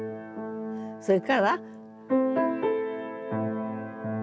それから。